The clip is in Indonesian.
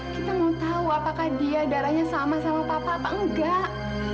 kita mau tahu apakah dia darahnya sama sama papa apa enggak